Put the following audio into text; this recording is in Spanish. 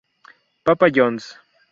Papa John's".